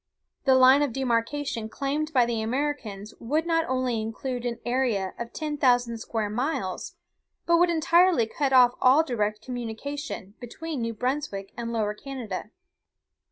The line of demarcation claimed by the Americans would not only include an area of ten thousand square miles, but would entirely cut off all direct communication between New Brunswick and Lower Canada.